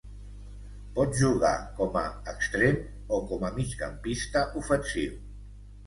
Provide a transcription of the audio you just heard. Pot jugar com a extrem o com a migcampista ofensiu.